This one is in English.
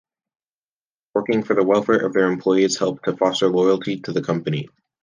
Working for the welfare of their employees helped to foster loyalty to the company.